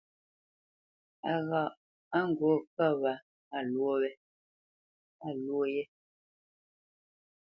A ghâʼ à ghǔt ŋkə̌t wâ á lwô ye.